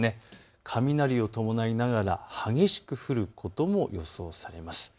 雷を伴いながら激しく降ることも予想されます。